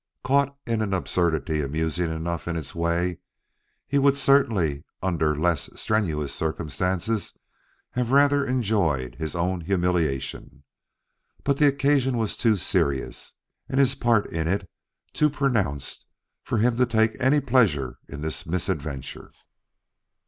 Caught in an absurdity amusing enough in its way, he would certainly under less strenuous circumstances have rather enjoyed his own humiliation. But the occasion was too serious and his part in it too pronounced for him to take any pleasure in this misadventure.